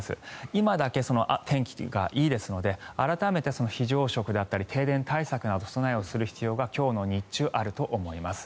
今だけ天気がいいですので改めて非常食だったり停電対策など備えをする必要が今日の日中あると思います。